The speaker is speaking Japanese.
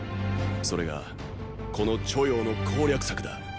それがこの著雍の攻略策だ。